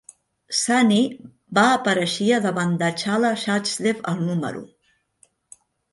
Sahni va apareixia davant d'Achala Sachdev al número.